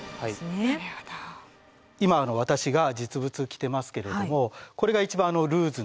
今私が実物着てますけれどもこれが一番ルーズな状態。